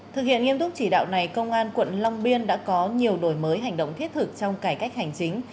thực hiện nghiêm túc chỉ đạo này công an quận long biên đã có nhiều đổi mới hành động thiết thực trong cải cách hành chính